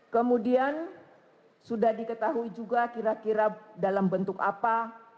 kemudian sudah diketahui juga kira kira dalam bentuk apa